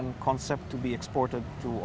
akan di ekspor ke seluruh dunia